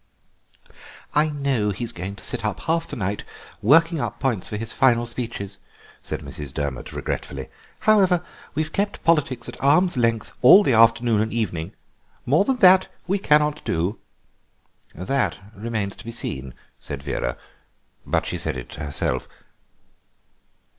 "I know he's going to sit up half the night working up points for his final speeches," said Mrs. Durmot regretfully; "however, we've kept politics at arm's length all the afternoon and evening. More than that we cannot do." "That remains to be seen," said Vera, but she said it to herself.